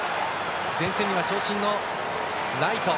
前線には長身のライト。